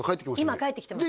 今帰ってきてます